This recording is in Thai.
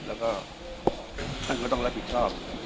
แล้วก็ท่านก็ต้องรับผิดชอบ